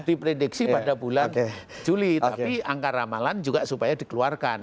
diprediksi pada bulan juli tapi angka ramalan juga supaya dikeluarkan